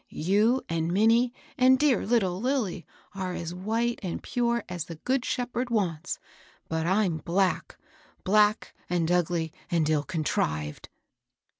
You and Minnie and dear little Lilly are as white and pure as the Good Shepherd wants; but I'm black, — black and ugly and ill contrived."